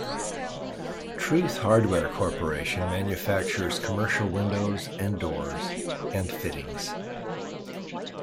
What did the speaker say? Truth Hardware corporation manufactures commercial window and doors, and fittings.